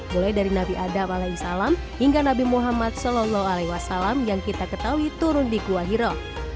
mulai dari nabi adam as hingga nabi muhammad saw yang kita ketahui turun di kewahiro